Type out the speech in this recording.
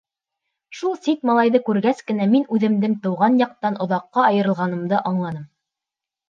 Шул сит малайҙы күргәс кенә мин үҙемдең тыуған яҡтан оҙаҡҡа айырылғанымды аңланым.